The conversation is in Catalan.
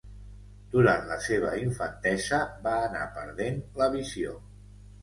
Durant la seva infantesa va anar perdent la visió.